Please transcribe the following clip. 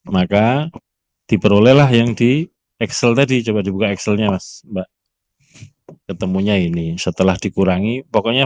maka diperoleh yang di excel tak dicoba dibuka xl ya mas mbak ketemunya ini setelah dikurangi pogone